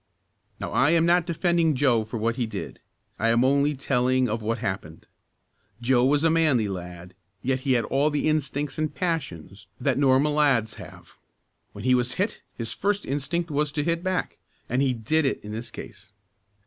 Now I am not defending Joe for what he did. I am only telling of what happened. Joe was a manly lad yet he had all the instincts and passions that normal lads have. When he was hit his first instinct was to hit back, and he did it in this case.